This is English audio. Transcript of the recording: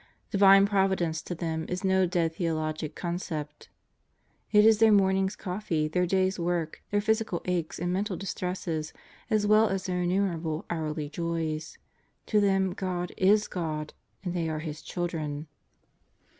Divine Providence to them is no dead theologic concept. It is their morning's coffee, their day's work, their physical aches and mental distresses as well as their innumerable hourly joys. To them God is God, and they are His children.